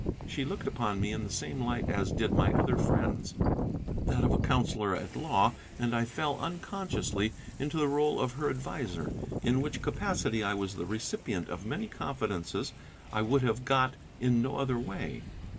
She looked upon me in the same light as did my other friends, that of a counsellor at law, and I fell unconsciously into the role of her adviser, in which capacity I was the recipient of many confidences I would have got in no other way.